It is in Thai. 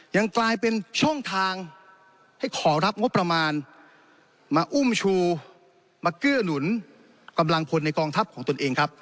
ยังกลายเป็นช่องทางให้ขอรับงบประมาณมาอุ้มชูมาเกื้อหนุนกำลังพลในกองทัพของตนเองครับ